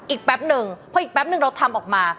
แป๊บนึงพออีกแป๊บนึงเราทำออกมา